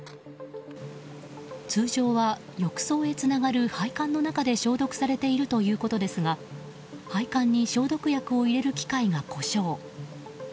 通常は浴槽へつながる配管の中で消毒されているということですが配管に消毒薬を入れる機械が故障。